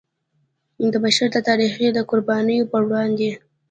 د بشر د تاریخ د قربانیو پر وړاندې.